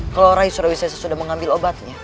kalau rai surawisesa sudah mengambil obatnya